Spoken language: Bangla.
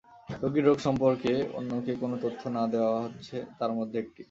রুগীর রোগ সম্পর্কে অন্যকে কোনো তথ্য না-দেওয়া হচ্ছে তার মধ্যে একটি।